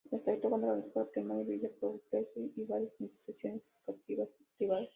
El sector cuenta con la Escuela Primaria Villa Progreso y varias instituciones educativas privadas.